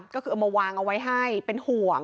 ก็คือเอามาวางเอาไว้ให้เป็นห่วง